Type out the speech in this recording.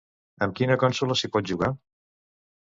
Amb quina consola s'hi pot jugar?